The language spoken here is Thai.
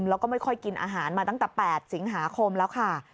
แล้วก็ไม่ค่อยกินอาหารมาตั้งแต่๘สิงหาคมแล้วค่ะ